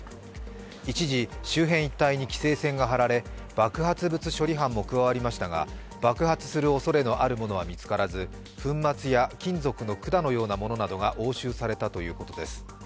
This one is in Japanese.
一時、周辺一帯に規制線が張られ爆発物処理班も加わりましたが爆発するおそれのあるものは見つからず、粉末や金属の管のようなものなどが押収されたということです。